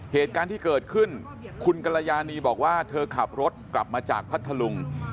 เหตุการณ์ที่เกิดขึ้นคุณกรยานีบอกว่าเธอขับรถกลับมาจากพัทธลุง